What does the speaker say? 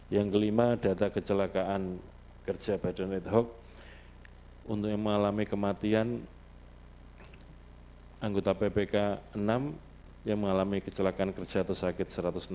yang kelima data kecelakaan kerja badan ad hoc untuk yang mengalami kematian anggota ppk enam yang mengalami kecelakaan kerja atau sakit satu ratus enam puluh